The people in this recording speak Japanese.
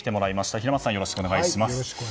平松さん、よろしくお願いします。